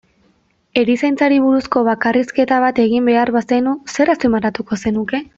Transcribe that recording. Erizaintzari buruzko bakarrizketa bat egin behar bazenu, zer azpimarratuko zenuke?